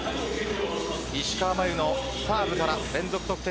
石川真佑のサーブから連続得点。